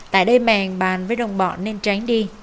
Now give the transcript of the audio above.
tại đây màng bàn với đông bọn nên tránh đi